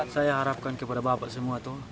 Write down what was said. saya harapkan kepada bapak semua tuh